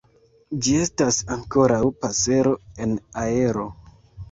Ĝi estas ankoraŭ pasero en aero.